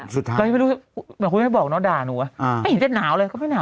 จะห้วยแหวน